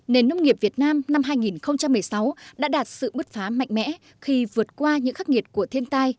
nền nông nghiệp việt nam năm hai nghìn một mươi sáu đã đạt sự bứt phá mạnh mẽ khi vượt qua những khắc nghiệt của thiên tai